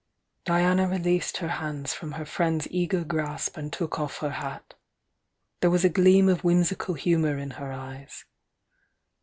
Diana released her hands from her friend's eager grasp and took off her hat. There was a gleam of whimsical humour in her eyes.